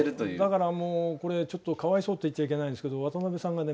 だからもうこれちょっとかわいそうって言っちゃいけないんですけど渡辺さんがね